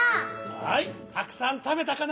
はいたくさんたべたかな？